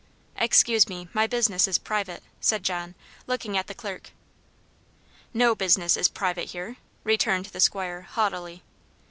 "Excuse me, my business is private," said John, looking at the clerk. "No business is private here," returned the 'squire, haughtily.